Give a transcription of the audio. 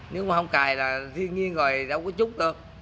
nếu không cài thì thiên nhiên rồi đâu có chút đâu